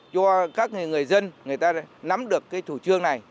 cho các người dân người ta nắm được cái chủ trương này